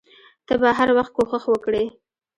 ته به هر وخت کوښښ وکړې.